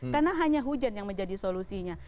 karena hanya hujan yang menjadi solusinya